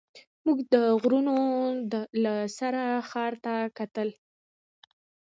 موږ د غرونو له سر څخه ښار ته کتل.